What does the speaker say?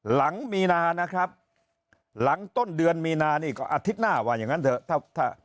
หลังมีนานะครับหลังต้นเดือนมีนานี่ก็อาทิตย์หน้าว่าอย่างนั้นเถอะ